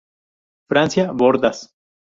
Francia: Bordas.